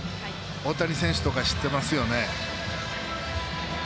大谷選手とか知ってますよね。